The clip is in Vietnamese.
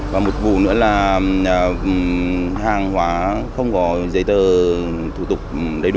và một vụ nữa là hàng hóa không có giấy tờ thủ tục đầy đủ